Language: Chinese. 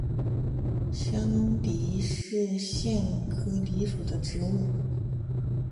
香藜是苋科藜属的植物。